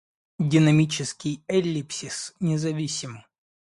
Динамический эллипсис независим.